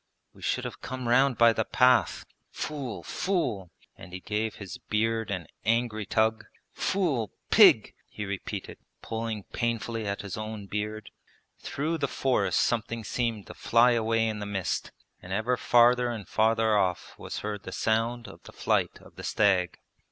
We should have come round by the path.... Fool! fool!' and he gave his beard an angry tug. Fool! Pig!' he repeated, pulling painfully at his own beard. Through the forest something seemed to fly away in the mist, and ever farther and farther off was heard the sound of the flight of the stag.